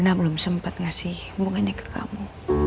saya belum sempat ngasih hubungannya ke kamu